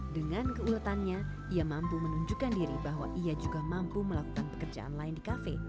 dengan keuletannya ia mampu menunjukkan diri bahwa ia juga mampu melakukan pekerjaan lain di kafe